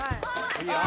いいよ。